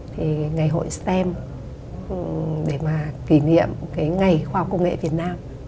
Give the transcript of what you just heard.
thì ngày hội stem để mà kỷ niệm cái ngày khoa học công nghệ việt nam